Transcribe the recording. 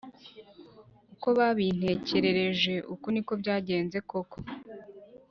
“uko babintekerereje uku niko byagenze koko